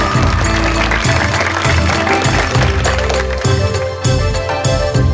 โชว์สี่ภาคจากอัลคาซ่าครับ